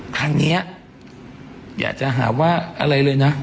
ครั้งนี้อยากจะหาว่าอะไรเลยนะ